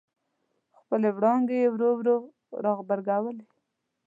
خپلې وړانګې یې ورو ورو را غبرګولې.